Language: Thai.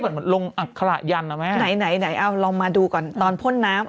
เหมือนมันลงอักขระยันต์อ่ะแม่ไหนไหนไหนเอ้าลองมาดูก่อนตอนพ่นน้ำ